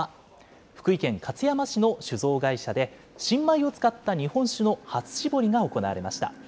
福井県勝山市の酒造会社で、新米を使った日本酒の初搾りが行われました。